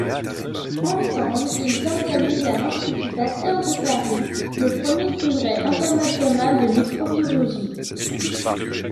Ensemble, ils organisent, à l'Institut Pasteur de Paris, le premier congrès international de microbiologie.